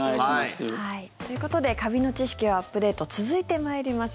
ということでカビの知識をアップデート続いて参ります。